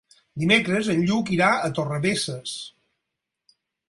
Dimecres en Lluc irà a Torrebesses.